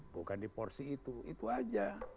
bukan di porsi itu itu aja